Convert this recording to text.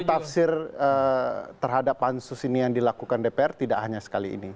tafsir terhadap pansus ini yang dilakukan dpr tidak hanya sekali ini